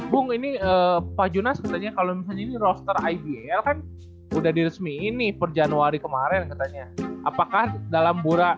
bung ini pak junas katanya kalo ini roster ibl kan udah diresmiin nih per januari kemarin katanya